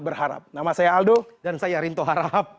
berharap nama saya aldo dan saya rinto harahap